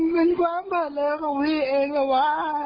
เป็นความผละเลอของพี่เองเหรอวะ